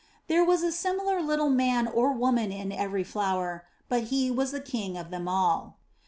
There was a similar little man or woman in every flower, but he was the king of them all.